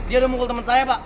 dia udah mukul teman saya pak